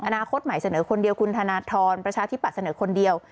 อนาคตใหม่เสนอคนเดียวคุณธนทรประชาธิบัตย์เสนอคนเดียว